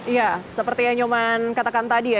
ya seperti yang nyoman katakan tadi ya